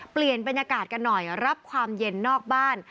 เปลี่ยนบรรยากาศกันหน่อยรับความเย็นนอกบ้าน